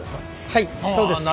はいそうです。